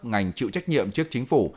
ngành chịu trách nhiệm trước chính phủ